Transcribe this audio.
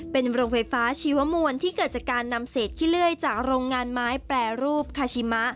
เป็นโรงไฟฟ้าชีวมวลที่เกิดจากการนำเศษขี้เลื่อยจากโรงงานไม้แปรรูปคาชิมะ